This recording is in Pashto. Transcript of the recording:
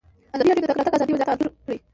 ازادي راډیو د د تګ راتګ ازادي وضعیت انځور کړی.